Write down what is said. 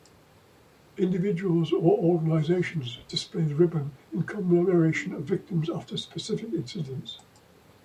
Individuals or organizations display the ribbon in commemoration of victims after specific incidents.